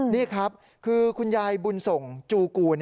นี่ครับคือคุณยายบุญส่งจูกูล